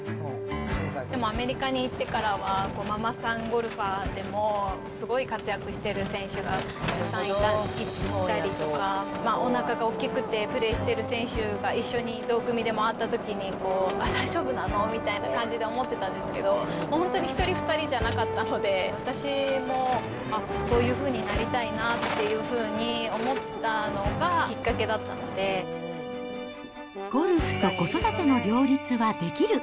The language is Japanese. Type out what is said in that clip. でもアメリカに行ってからは、ママさんゴルファーでもすごい活躍してる選手がたくさんいたりとか、おなかが大きくてプレーしている選手が一緒に同組で回ったときに、あ、大丈夫なの？みたいな感じで思ってたんですけど、本当に１人、２人じゃなかったので、私も、あっ、そういうふうになりたいなっていうふうにゴルフと子育ての両立はできる。